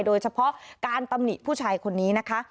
โดยเฉพาะการตำหนิผู้ชายคนนี้นะคะ